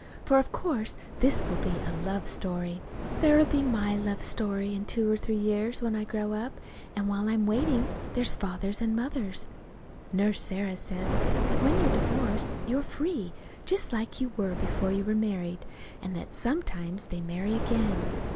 For of course this will be a love story. There'll be my love story in two or three years, when I grow up, and while I'm waiting there's Father's and Mother's. Nurse Sarah says that when you're divorced you're free, just like you were before you were married, and that sometimes they marry again.